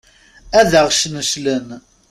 Ad aɣ-cneclen!